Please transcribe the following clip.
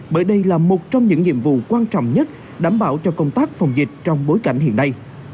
bởi đây là một trong những nhiệm vụ quan trọng nhất đảm bảo cho công tác phòng dịch trong bối cảnh hiện nay